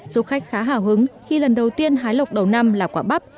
du khách khá hào hứng khi lần đầu tiên hái lộc đầu năm là quả bắp